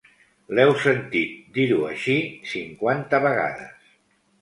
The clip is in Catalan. L'heu sentit dir-ho així cinquanta vegades.